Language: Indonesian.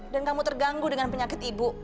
dan kamu terganggu dengan penyakit ibu